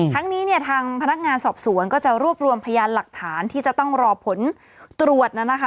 ทั้งนี้เนี่ยทางพนักงานสอบสวนก็จะรวบรวมพยานหลักฐานที่จะต้องรอผลตรวจนะคะ